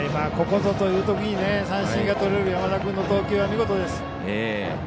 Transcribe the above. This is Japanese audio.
ここぞというときに三振がとれる山田君の投球は見事です。